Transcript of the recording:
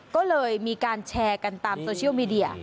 ก็เลยมีการแชร์กันตามโซเชียลมีเดีย